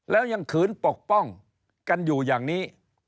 แล้วยังขืนปกป้องกันอยู่อย่างนี้